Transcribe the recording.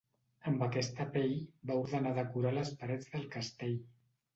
Amb aquesta pell va ordenar decorar les parets del castell.